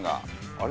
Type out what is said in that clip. あれ？